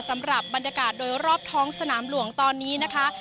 สำหรับบรรยากาศโดยรอบท้องสนามหลวงตอนนี้นะคะ